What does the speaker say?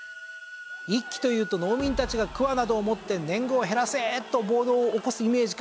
一揆というと農民たちがくわなどを持って「年貢を減らせ！」と暴動を起こすイメージかもしれません。